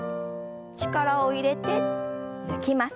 力を入れて抜きます。